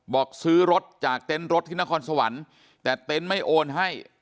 บอกซื้อรถจากเต็นต์รถที่นครสวรรค์แต่เต็นต์ไม่โอนให้